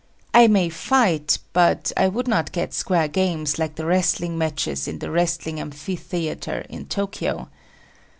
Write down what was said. I may fight, but I would not get square games like the wrestling matches at the Wrestling Amphitheatre in Tokyo.